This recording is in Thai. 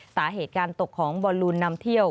สาเหตุการตกของบอลลูนนำเที่ยว